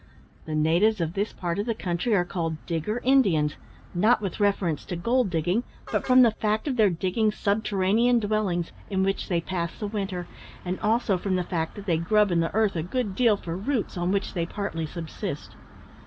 The natives of this part of the country are called digger Indians, not with reference to gold digging, but from the fact of their digging subterranean dwellings, in which they pass the winter, and also from the fact that they grub in the earth a good deal for roots, on which they partly subsist.